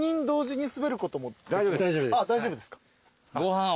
大丈夫です。